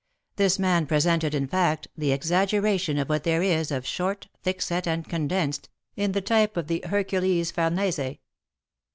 This man presented, in fact, the exaggeration of what there is of short, thickset, and condensed, in the type of the Hercules Farnese.